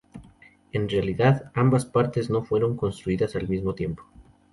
En realidad, ambas partes no fueron construidas al mismo tiempo.